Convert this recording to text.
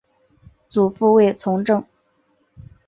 祖父卫从政。